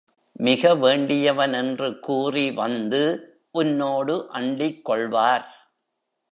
மிக வேண்டியவன் என்று கூறி வந்து உன்னோடு அண்டிக்கொள்வார்.